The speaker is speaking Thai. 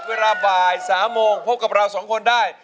เวลาบ่าย๓โมงพบกับเราสองคนได้